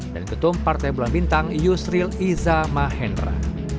ketum partai bulan bintang yusril iza mahendra